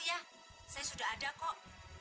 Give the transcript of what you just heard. saya sudah ada kok